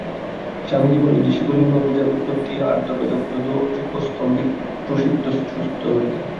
স্বামীজী বলেন যে, শিবলিঙ্গ-পূজার উৎপত্তি অথর্ববেদসংহিতার যূপ-স্তম্ভের প্রসিদ্ধ স্তোত্র হইতে।